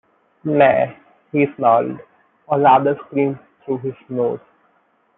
‘Nay!’ he snarled, or rather screamed through his nose.